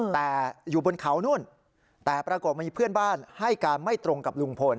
แต่อยู่บนเขานู่นแต่ปรากฏมีเพื่อนบ้านให้การไม่ตรงกับลุงพล